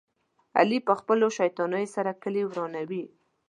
علي په خپلو شیطانیو سره کلي ورانوي.